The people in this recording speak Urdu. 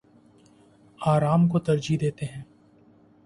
آرام کو ترجیح دیتے ہیں